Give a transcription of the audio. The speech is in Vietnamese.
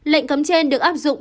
lệnh cấm trên được áp dụng